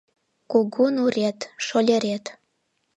Кугу нурет — шолерет